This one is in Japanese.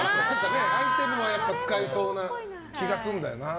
アイテムは使いそうな気がするんだよな。